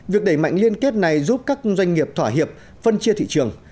việc đẩy mạnh liên kết này giúp các doanh nghiệp thỏa hiệp phân chia thị trường